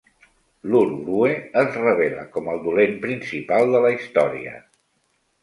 L'Ur-grue es revela com el dolent principal de la història.